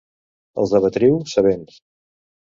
Els de Bretui, sabents.